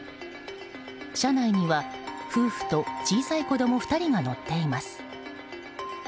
車内には夫婦と小さい子供２人が乗っています。